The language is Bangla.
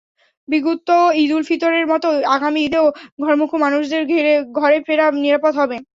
বিগত ঈদুল ফিতরের মতো আগামী ঈদেও ঘরমুখো মানুষদের ঘরে ফেরা নিরাপদ হবে।